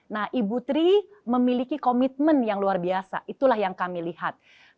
nah ibu tri memiliki komitmen yang luar biasa itulah yang kami lihat